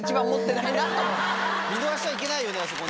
見逃しちゃいけないよねあそこ。